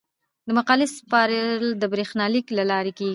د مقالې سپارل د بریښنالیک له لارې کیږي.